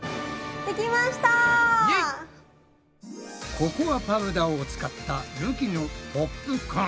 ココアパウダーを使ったるきのポップコーン。